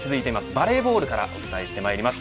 バレーボールからお伝えしてまいります